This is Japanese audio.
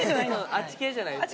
あっち系じゃないですね。